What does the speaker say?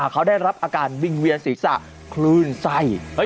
เขาได้รับอาการวิ่งเวียนศีรษะคลื่นไส้